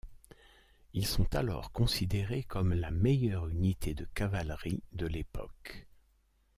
Ils sont alors considérés comme la meilleure unité de cavalerie de l'époque.